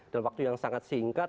dalam waktu yang sangat singkat